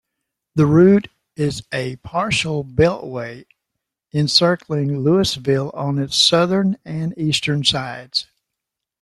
The route is a partial beltway, encircling Louisville on its southern and eastern sides.